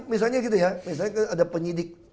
misalnya gitu ya misalnya ada penyidik